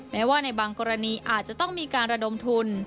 แม้ว่าในบางกรณีอาจจะต้องมีการระดมทุน